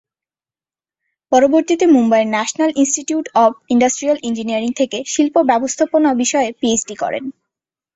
পরবর্তীতে মুম্বইয়ের national institute of industrial engineering থেকে শিল্প ব্যবস্থাপনা বিষয়ে পিএইচডি করেন।